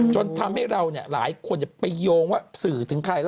จนทำให้เราหลายคนจะไปโยงว่าสื่อถึงใคร